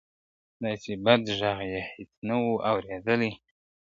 داسي بد ږغ یې هیڅ نه وو اورېدلی `